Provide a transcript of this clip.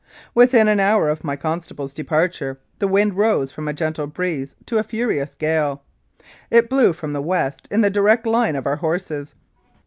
Within an hour of my constable's departure the wind rose from a gentle breeze to a furious gale. It blew from the west in the direct line of our horses.